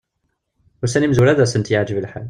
Ussan imezwura ad asent-yeɛǧeb lḥal.